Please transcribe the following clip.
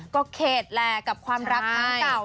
กระแกดแหลกกับความรักทั้งเก่า